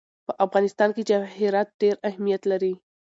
په افغانستان کې جواهرات ډېر اهمیت لري.